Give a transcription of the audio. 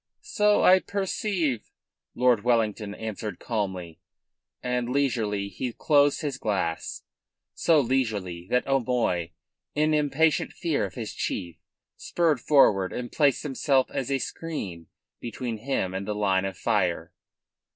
"So I perceive," Lord Wellington answered calmly, and leisurely he closed his glass, so leisurely that O'Moy, in impatient fear of his chief, spurred forward and placed himself as a screen between him and the line of fire.